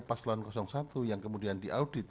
paslon satu yang kemudian diaudit